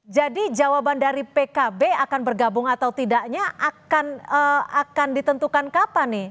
jadi jawaban dari pkb akan bergabung atau tidaknya akan ditentukan kapan nih